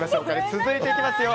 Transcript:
続いていきますよ。